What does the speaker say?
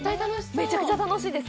めちゃくちゃ楽しいです。